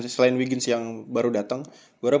selain wiggins yang baru datang gitu yaa